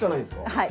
はい。